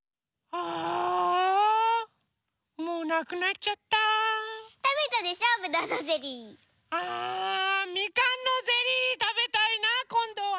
ああみかんのゼリーたべたいなあこんどは。